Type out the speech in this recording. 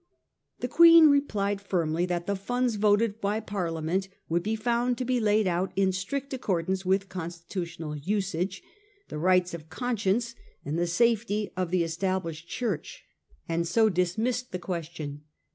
The Queen replied firmly that the funds voted by Parliament would be found to be laid out in strict accordance with constitutional usage, the rights of conscience, and the safety of the Established Church, 1839 40. THE COMMITTEE OF COUNCIL. 187 and so dismissed the question.